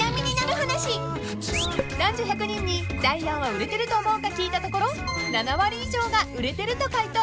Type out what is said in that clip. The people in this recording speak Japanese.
［男女１００人にダイアンは売れてると思うか聞いたところ７割以上が売れてると回答］